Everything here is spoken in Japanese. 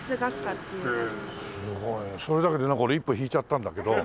すごいねそれだけでなんか俺一歩引いちゃったんだけど。